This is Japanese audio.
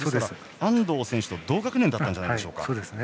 安藤選手と同学年じゃないでしょうか。